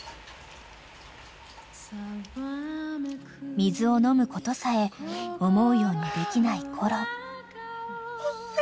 ［水を飲むことさえ思うようにできないコロ］